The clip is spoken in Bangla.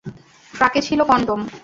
ট্রাকে ছিল কনডম।